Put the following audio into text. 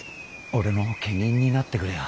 俺の家人になってくれよ。